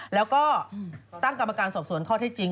แล้วก็ตั้งกรรมการสอบสวนข้อที่จริง